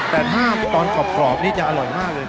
แต่ถ้าตอนกรอบนี่จะอร่อยมากเลย